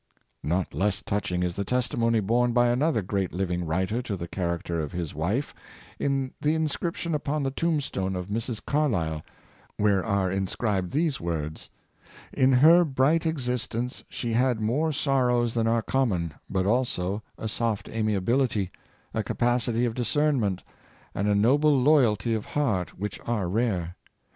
Not less touching is the testimony borne by another great living writer to the character of his wife, in the inscription upon the tombstone of Mrs. Carlyle, where are inscribed these words :" In her bright existence she had more sorrows than are common, but also a soft amiability, a capacity of discernment, and a noble loyalty of heart, which are rare.